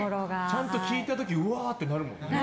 ちゃんと聞いた時うわーってなるもんね。